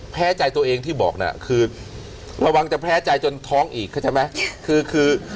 แพ้ใจตัวเองที่บอกถ้าคือระวังจะแพ้ใจจนท้องอีกใช่แม่